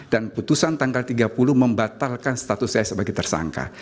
dan putusan tanggal tiga puluh membatalkan status saya sebagai tersangka